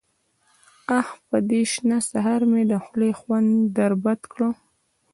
_اه! په دې شنه سهار مې د خولې خوند در بد کړ.